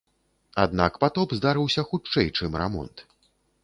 Аднак патоп здарыўся хутчэй, чым рамонт.